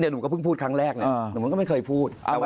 นี่หนุ่มก็พึ่งพูดครั้งแรกหนุ่มก็ไม่เคยพูด